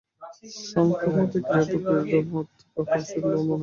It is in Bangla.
সাংখ্য-মতে ক্রিয়া প্রকৃতির ধর্ম, আত্মা বা পুরুষের নয়।